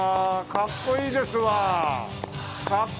かっこいいですわ。